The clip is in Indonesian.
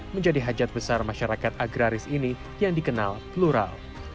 menjadi hajat besar masyarakat agraris ini yang dikenal plural